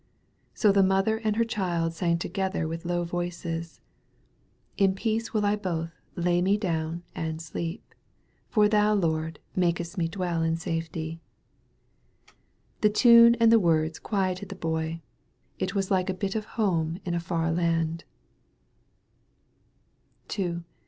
So the mother and her Child sang together with low voices: ''In peace will I both lay me down and sleep. For thou, Lord, makest me dwell in safety." The tune and the words quieted the Boy. It was like a bit of home in a far land.